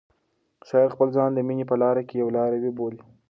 شاعر خپل ځان د مینې په لاره کې یو لاروی بولي.